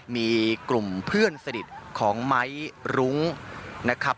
มีกลุ่มเพื่อนสนิทของไม้รุ้งนะครับ